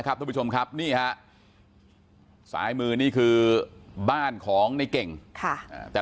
ทุกผู้ชมครับนี่ฮะสายมือนี่คือบ้านของในเก่งค่ะอ่าแต่